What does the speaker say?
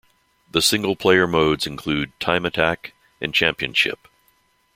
The single player modes include "Time Attack" and "Championship.".